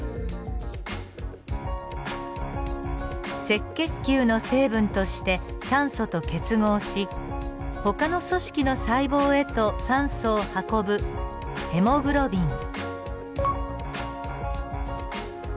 赤血球の成分として酸素と結合しほかの組織の細胞へと酸素を運ぶヘモグロビン。